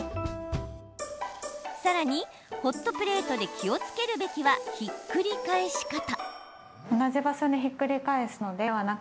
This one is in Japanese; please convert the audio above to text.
さらに、ホットプレートで気をつけるべきはひっくり返し方。